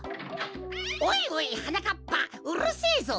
おいおいはなかっぱうるせえぞ！